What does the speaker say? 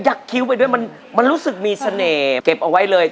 ยักษณ์คิวไปด้วยมันมันรู้สึกมีเสน่ห์เก็บเอาไว้เลย